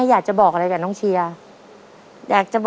เอาผู้ช่วยปะล่ะเอาผู้ช่วยเลยจ้ะใครดีล่ะครับ